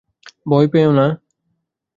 ভয় পেয়ো না।